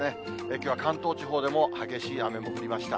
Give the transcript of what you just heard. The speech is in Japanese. きょうは関東地方でも激しい雨も降りました。